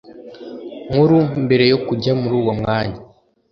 Nkuru mbere yo kujya muri uwo mwanya